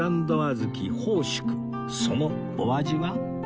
そのお味は？